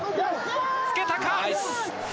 つけたか⁉